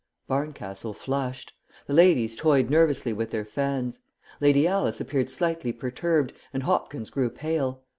Barncastle flushed. The ladies toyed nervously with their fans. Lady Alice appeared slightly perturbed, and Hopkins grew pale.